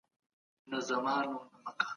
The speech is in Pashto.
د سفر پر مهال روغتیایی اصول مراعات کړئ.